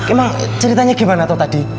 emang ceritanya gimana tuh tadi